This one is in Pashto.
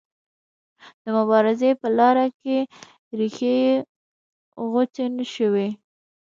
د مبارزې په لاره کې ریښې یې غوڅې نه شوې.